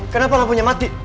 kenapa lampunya mati